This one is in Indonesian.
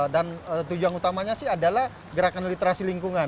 dan tujuan utamanya sih adalah gerakan literasi lingkungan